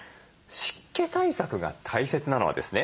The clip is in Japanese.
湿気対策が大切なのはですね